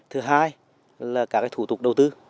thứ hai là các thủ tục đầu tư